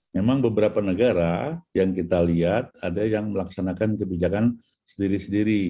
memang beberapa negara yang kita lihat ada yang melaksanakan kebijakan sendiri sendiri